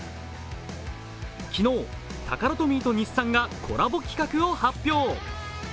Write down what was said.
昨日、タカラトミーと日産がコラボ企画を発表。